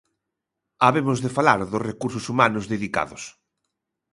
Habemos de falar dos recursos humanos dedicados.